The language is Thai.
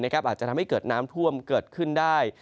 อาจจะทำให้เกิดน้ำท่วมเกิดขึ้นได้